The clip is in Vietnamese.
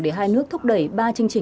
để hai nước thúc đẩy ba trình trạng